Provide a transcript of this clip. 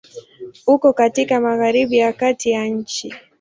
Uko katika Magharibi ya kati ya nchi.